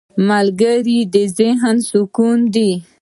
ملګری د ذهن سکون دی